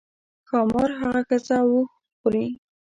ښامار هغه ښځه او اوښ خوري.